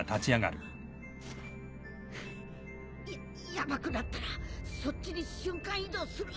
ヤヤバくなったらそっちに瞬間移動する。